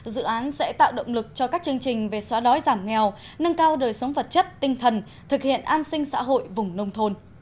dự án sẽ tạo động lực cho các chương trình về xóa đói giảm nghèo nâng cao đời sống vật chất tinh thần thực hiện an sinh xã hội vùng nông thôn